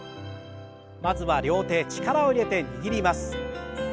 まずは両手力を入れて握ります。